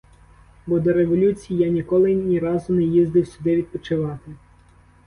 Бо до революції я ніколи й ні разу не їздив сюди відпочивати.